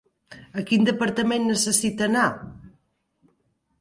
A quin departament necessita anar?